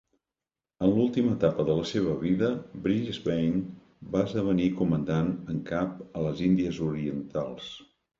En l'última etapa de la seva vida, Brisbane va esdevenir comandant en cap a les Índies Orientals.